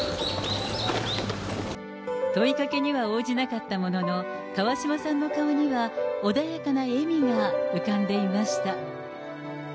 問いかけには応じなかったものの、川嶋さんの顔には、穏やかな笑みが浮かんでいました。